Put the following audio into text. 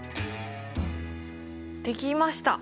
できました。